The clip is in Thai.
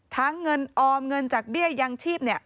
ทั้งเงินออมเงินจากเบี้ยอย่างชีพเนี่ย